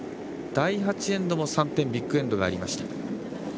第８エンドも３点、ビッグエンドがありました。